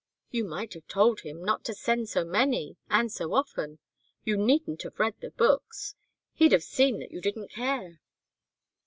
"You might have told him not to send so many, and so often; you needn't have read the books. He'd have seen that you didn't care."